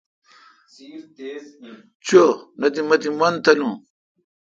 چو نہ تے مہ تی مون تالو۔